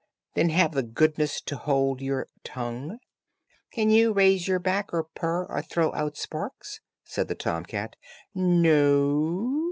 "Then have the goodness to hold your tongue." "Can you raise your back, or purr, or throw out sparks?" said the tom cat. "No."